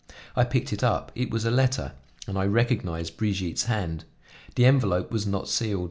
I picked it up; it was a letter, and I recognized Brigitte's hand. The envelope was not sealed.